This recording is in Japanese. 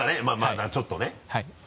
まぁまぁちょっとね。